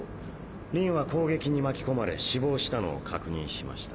リンは攻撃に巻き込まれ死亡したのを確認しました。